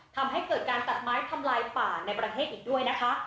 ทำให้เกิดการตัดไม้ทำลายป่าในประเทศอีกด้วยนะคะ